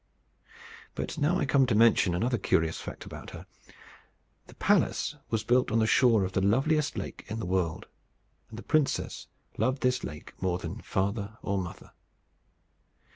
But now I come to mention another curious fact about her. The palace was built on the shore of the loveliest lake in the world; and the princess loved this lake more than father or mother.